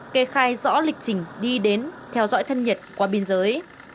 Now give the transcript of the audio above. kê khai rõ lịch trình đi đến theo dõi thân nhiệt qua biên giới